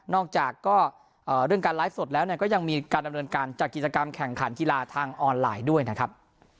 จากก็เรื่องการไลฟ์สดแล้วก็ยังมีการดำเนินการจัดกิจกรรมแข่งขันกีฬาทางออนไลน์ด้วยนะครับ